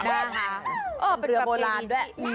เออเป็นแบบโบราณด้วย